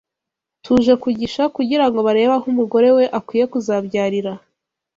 tuje kugisha kugira ngo barebe aho umugore we akwiye kuzabyarira